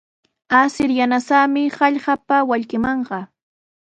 Adin yanasaami hallqapa wallkimanqa.